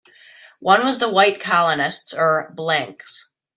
One was the white colonists, or "blancs".